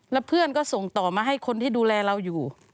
แล้วเพื่อนก็ส่งต่อมาให้คนที่ดูแลเราอยู่